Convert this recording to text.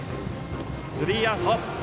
スリーアウト。